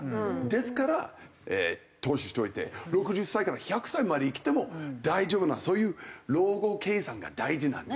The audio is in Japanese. ですから投資しておいて６０歳から１００歳まで生きても大丈夫なそういう老後計算が大事なんですよ。